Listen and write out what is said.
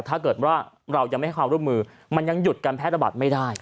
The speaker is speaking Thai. ถ้าเกิดว่าเรายังไม่ให้ความร่วมมือมันยังหยุดการแพร่ระบาดไม่ได้